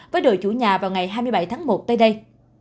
với đội chủ nhà vào ngày hai mươi bảy tháng một tới đây